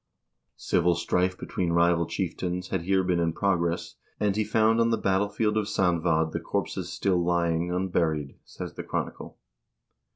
Civil strife between rival chieftains had here been in progress, and he found on the battlefield of Sandvad the corpses still lying unburied, says the chronicle.